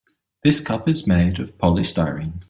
This cup is made of polystyrene.